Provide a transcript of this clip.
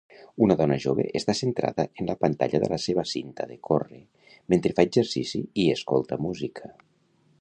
Una dona jove està centrada en la pantalla de la sevacinta de córrer mentre fa exercici i escolta música.